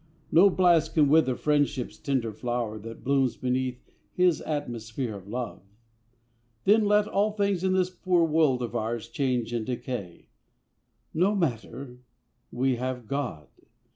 No blast can wither friendship's tender flower That blooms beneath His atmosphere of love. Then let all things in this poor world of ours Change and decay; no matter, we have God.